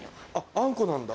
あんこなんだ。